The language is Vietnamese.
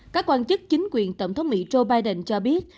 các quan chức chính quyền tổng thống mỹ joe biden cho biết